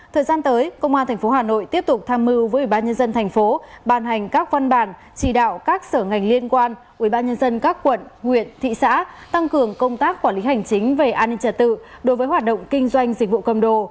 thời gian tới công an tp hà nội tiếp tục tham mưu với ubnd tp bàn hành các văn bản chỉ đạo các sở ngành liên quan ubnd các quận huyện thị xã tăng cường công tác quản lý hành chính về an ninh trật tự đối với hoạt động kinh doanh dịch vụ cầm đồ